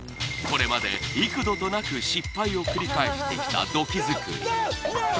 これまで幾度となく失敗を繰り返してきた土器作りノー！